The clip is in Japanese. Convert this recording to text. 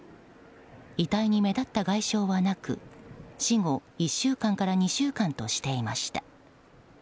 遺体に目立った外傷はなく死後１週間から２週間としていました。